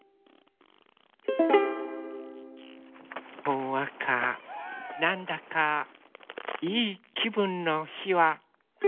ほんわかなんだかいいきぶんのひは。